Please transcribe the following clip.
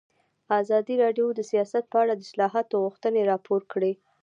ازادي راډیو د سیاست په اړه د اصلاحاتو غوښتنې راپور کړې.